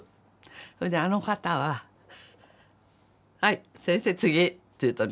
それであの方は「はい先生次」って言うとね